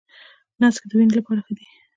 نسک د وینې لپاره ښه دي.